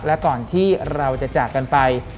และก่อนที่เราจะจากกันไป